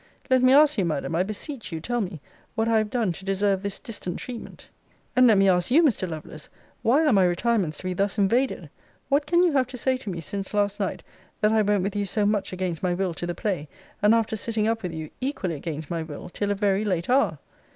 'Let me ask you, Madam, I beseech you tell me, what I have done to deserve this distant treatment? 'And let me ask you, Mr. Lovelace, why are my retirements to be thus invaded? What can you have to say to me since last night, that I went with you so much against my will to the play? and after sitting up with you, equally against my will, till a very late hour?